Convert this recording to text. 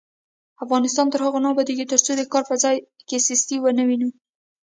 افغانستان تر هغو نه ابادیږي، ترڅو د کار په ځای کې سستي ونه وینو.